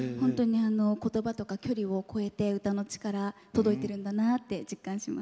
言葉とか距離を超えて歌の力届いてるんだなって実感します。